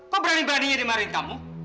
kok berani beraninya dimarahin kamu